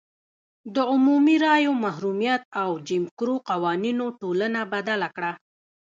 د عمومي رایو محرومیت او جیم کرو قوانینو ټولنه بدله کړه.